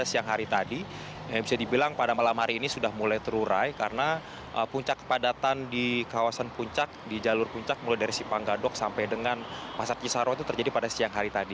siang hari tadi yang bisa dibilang pada malam hari ini sudah mulai terurai karena puncak kepadatan di kawasan puncak di jalur puncak mulai dari simpang gadok sampai dengan pasar cisaru itu terjadi pada siang hari tadi